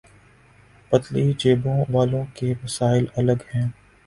پتلی جیبوں والوں کے مسائل الگ ہیں۔